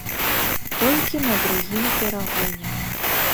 Толькі на другім перагоне.